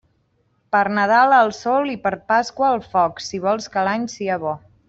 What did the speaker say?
Per Nadal al sol i per Pasqua al foc, si vols que l'any sia bo.